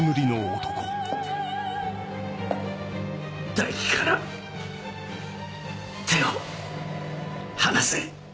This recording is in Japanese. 大樹から手を離せ。